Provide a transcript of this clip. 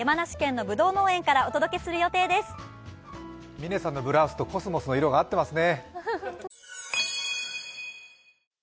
峰さんのブラウスとコスモスの色が合ってますね。